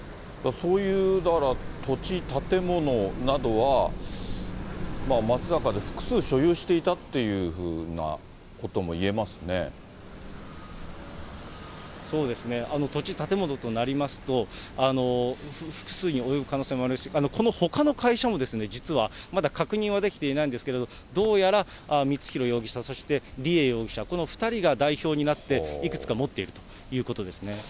そういう、だから土地、建物などは松阪で複数所有していたというふうなそうですね、土地、建物となりますと、複数に及ぶ可能性があるし、このほかの会社も、実はまだ確認はできていないんですけれども、どうやら光弘容疑者、そして梨恵容疑者、この２人が代表になって、いくつか持っているということですね。